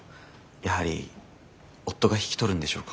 やはり夫が引き取るんでしょうか？